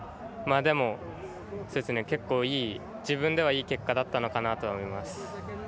でも、結構、自分ではいい結果だったのかなと思います。